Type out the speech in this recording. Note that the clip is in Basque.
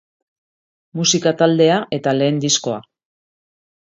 Musika taldea eta lehen diskoa.